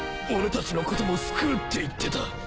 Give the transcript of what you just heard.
俺たちのことも救うって言ってた。